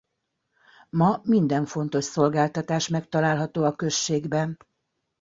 Ma minden fontos szolgáltatás megtalálható a községben.